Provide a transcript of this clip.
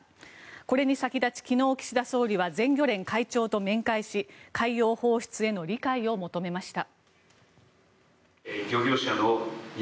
これに先立ち昨日、岸田総理は全漁連会長と面会し海洋放出への理解を求めました。